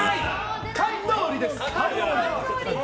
カンノーリです。